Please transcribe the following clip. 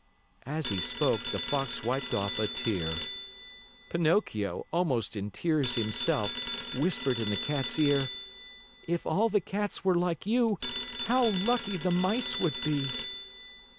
As he spoke, the Fox wiped off a tear. Pinocchio, almost in tears himself, whispered in the Cat's ear: "If all the cats were like you, how lucky the mice would be!"